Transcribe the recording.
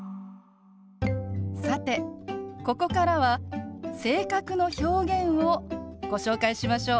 さてここからは性格の表現をご紹介しましょう。